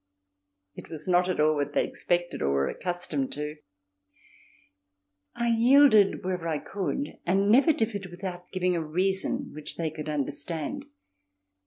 It was not at all what they expected or were accustomed to. I yielded wherever I could and never differed without giving a reason which they could understand.